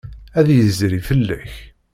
Ad d-yezri fell-ak.